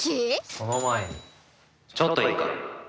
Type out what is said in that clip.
その前にちょっといいか？